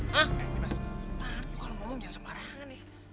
mas kalo ngomong jangan semarangan ya